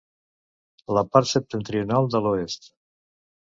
La part septentrional de l'oest.